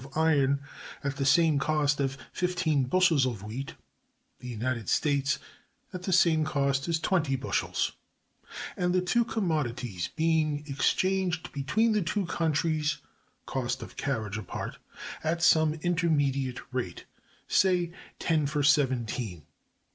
of iron at the same cost as fifteen bushels of wheat, the United States at the same cost as twenty bushels, and the two commodities being exchanged between the two countries (cost of carriage apart) at some intermediate rate, say ten for seventeen.